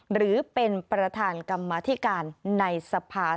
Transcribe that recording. หรือเป็นประธานกรรมธิการในสภา